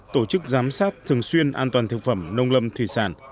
tổ chức giám sát thường xuyên an toàn thực phẩm nông lâm thủy sản